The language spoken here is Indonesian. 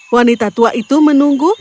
wanita tua itu menunggu